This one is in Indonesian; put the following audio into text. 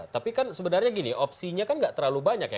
tapi kan sebenarnya gini opsinya kan gak terlalu banyak ya